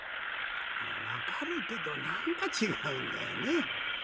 分かるけど何か違うんだよね。